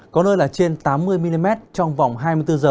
có nơi là trên tám mươi mm trong vòng hai mươi bốn h